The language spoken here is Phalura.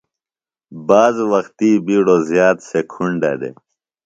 بعض وقتی بِیڈوۡ زیات سےۡ کُھنڈہ دےۡ۔